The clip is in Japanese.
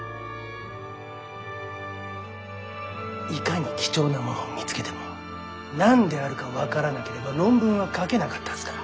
いかに貴重なものを見つけても何であるか分からなければ論文は書けなかったはずだ。